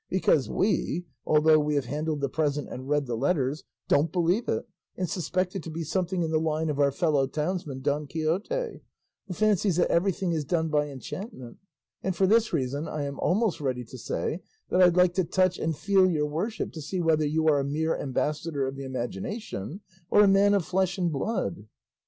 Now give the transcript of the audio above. Because we, although we have handled the present and read the letters, don't believe it and suspect it to be something in the line of our fellow townsman Don Quixote, who fancies that everything is done by enchantment; and for this reason I am almost ready to say that I'd like to touch and feel your worship to see whether you are a mere ambassador of the imagination or a man of flesh and blood."